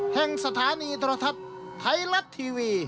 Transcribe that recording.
แห่งสถานีตรฐัศน์ไทรัตท์ทีวี